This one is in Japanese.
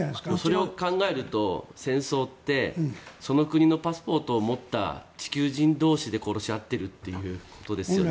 それを考えると戦争ってその国のパスポートを持った地球人同士で殺し合っているということですよね。